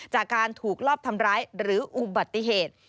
จากการถูกรอบทำร้ายหรืออุบัติเหตุ